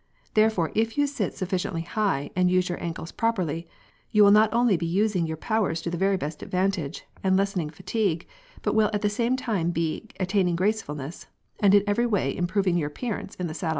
Therefore, if you sit sufficiently high and use your ankles properly, you will not only be using your powers to the very best advantage, and lessening fatigue, but will at the same time be attaining gracefulness, and in every way improving your appearance in the saddle.